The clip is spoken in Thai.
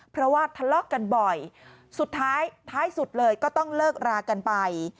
เพราะว่าทะเลาะกันบ่อยสุดท้ายท้ายสุดเลยก็ต้องเลิกรากันไป